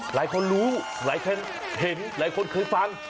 หลายคนรู้หลายคนเห็นหลายคนเคยฟัง